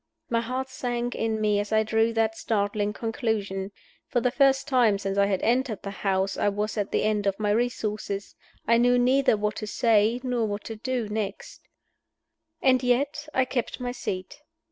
My heart sank in me as I drew that startling conclusion. For the first time since I had entered the house I was at the end of my resources; I knew neither what to say nor what to do next. And yet I kept my seat.